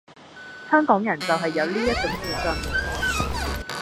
香港人就係有呢一種自信